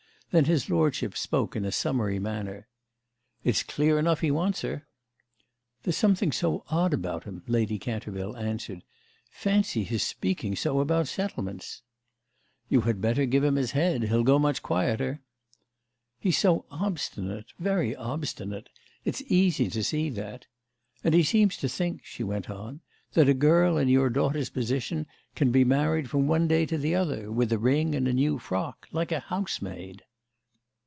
Then his lordship spoke in a summary manner. "It's clear enough he wants her." "There's something so odd about him," Lady Canterville answered. "Fancy his speaking so about settlements!" "You had better give him his head. He'll go much quieter." "He's so obstinate—very obstinate; it's easy to see that. And he seems to think," she went on, "that a girl in your daughter's position can be married from one day to the other—with a ring and a new frock—like a housemaid."